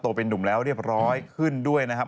เป็นนุ่มแล้วเรียบร้อยขึ้นด้วยนะครับ